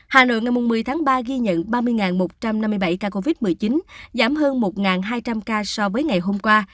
hà nội ngày một mươi tháng ba ghi nhận ba mươi một trăm năm mươi bảy ca covid một mươi chín giảm hơn một hai trăm linh ca so với ngày hôm qua